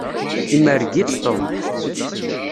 Imerreg-itt Tom.